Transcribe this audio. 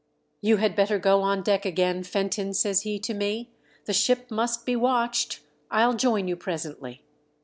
" You had better q^o on deck aofain. O CD Fenton, ' says he to me ;" the ship must be watched. I'll join you presently."